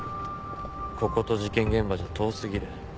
ここと事件現場じゃ遠すぎる。